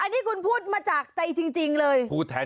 อันนี้คุณพูดมาจากใจจริงเลย